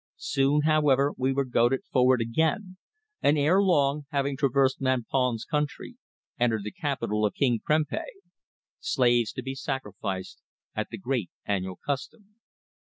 Soon, however, we were goaded forward again, and ere long, having traversed Mampon's country, entered the capital of King Prempeh, slaves to be sacrificed at the great annual custom.